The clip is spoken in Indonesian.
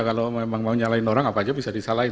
kalau memang mau nyalahin orang apa aja bisa disalahin